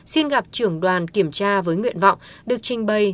xin gặp trưởng đoàn kiểm tra với nguyện vọng được trình bày